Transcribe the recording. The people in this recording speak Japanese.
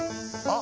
あ！